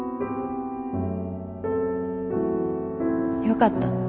よかった